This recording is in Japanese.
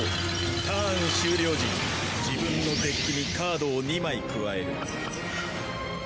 ターン終了時に自分のデッキにカードを２枚加える。